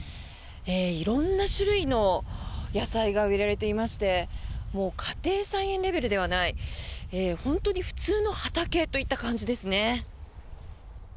色んな種類の野菜が植えられていましてもう家庭菜園レベルではない本当に普通の畑といった感じですね。